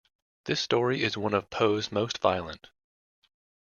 This story is one of Poe's most violent.